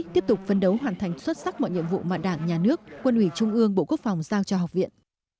tiếp tục phấn đấu hoàn thành xuất sắc mọi nhiệm vụ mà đảng nhà nước quân ủy trung ương bộ quốc phòng giao cho học viện